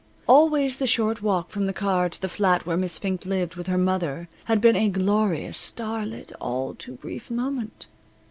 Always the short walk from the car to the flat where Miss Fink lived with her mother had been a glorious, star lit, all too brief moment.